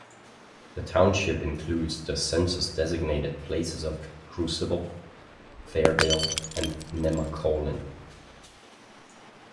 The township includes the census-designated places of Crucible, Fairdale and Nemacolin.